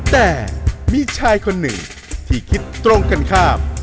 แต่มีชายคนหนึ่งที่คิดตรงกันข้าม